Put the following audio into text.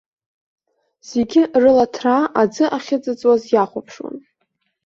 Зегьы рыла ҭраа аӡы ахьыҵыҵуаз иахәаԥшуан.